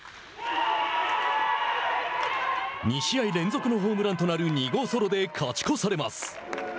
２試合連続のホームランとなる２号ソロで勝ち越されます。